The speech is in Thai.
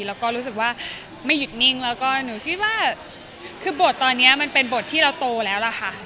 แล้วก็รู้สึกว่าไม่หยุดนิ่งแล้วก็หนูคิดว่าคือบทตอนนี้มันเป็นบทที่เราโตแล้วล่ะค่ะ